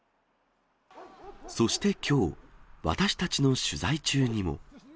そしてきょう、私たちの取材中にも。